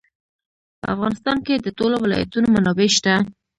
په افغانستان کې د ټولو ولایتونو منابع شته.